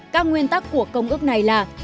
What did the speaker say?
các nguyên tắc của công ước này là